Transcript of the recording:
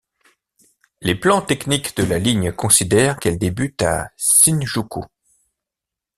Les plans techniques de la ligne considèrent qu'elle débute à Shinjuku.